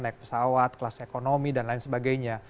naik pesawat kelas ekonomi dan lain sebagainya